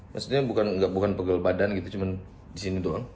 maksudnya bukan pegel badan gitu cuma disini doang